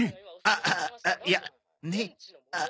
あっいやねっ。